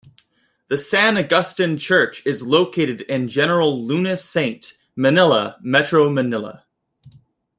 The San Agustin Church is located in General Luna Saint, Manila, Metro Manila.